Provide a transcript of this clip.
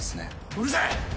うるさい！